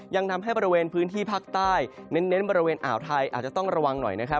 ยังทำให้บริเวณพื้นที่ภาคใต้เน้นบริเวณอ่าวไทยอาจจะต้องระวังหน่อยนะครับ